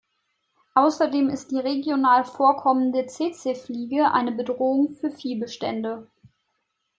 Außerdem ist die regional vorkommende Tsetsefliege eine Bedrohung für Viehbestände.